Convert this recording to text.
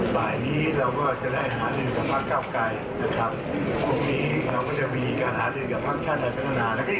เพราะว่าขณะนี้บันทางของเราคือพยายามจะทำให้